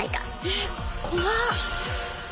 えっ怖っ！